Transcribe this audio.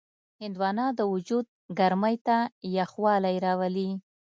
هندوانه د وجود ګرمۍ ته یخوالی راولي.